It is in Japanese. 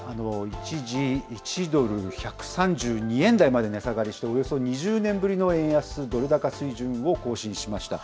一時１ドル１３２円台まで値下がりして、およそ２０年ぶりの円安ドル高水準を更新しました。